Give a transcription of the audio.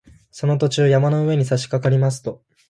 その途中、山の上にさしかかりますと